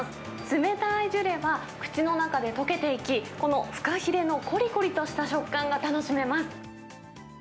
冷たいジュレは、口の中で溶けていき、このフカヒレのこりこりとした食感が楽しめます。